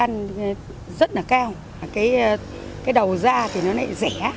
nó rất là cao cái đầu ra thì nó lại rẻ